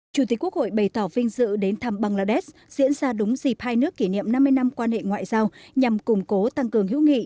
chủ tịch quốc hội bày tỏ vinh dự đến thăm bangladesh diễn ra đúng dịp hai nước kỷ niệm năm mươi năm quan hệ ngoại giao nhằm củng cố tăng cường hữu nghị